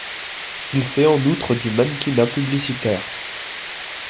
Il fait en outre du mannequinat publicitaire.